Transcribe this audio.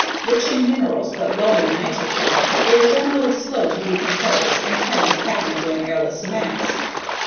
Rich in minerals but low in nitrogen, they are generally slow to decompose and tend to pack into an airless mass.